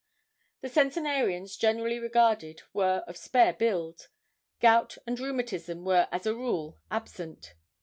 The centenarians generally regarded were of spare build. Gout and rheumatism were as a rule, absent.